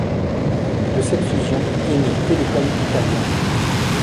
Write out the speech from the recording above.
De cette fusion est née Telecom Italia.